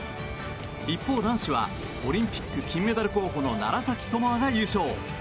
一方、男子はオリンピック金メダル候補の楢崎智亜が優勝。